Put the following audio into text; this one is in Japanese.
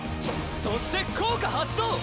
そして効果発動！